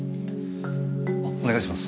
お願いします。